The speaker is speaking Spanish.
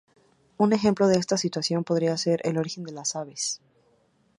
Un ejemplo de esta situación podría ser el origen de las aves.